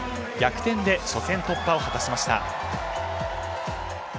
逆転で初戦突破を果たしました。